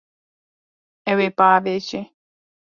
Ew ê biavêje.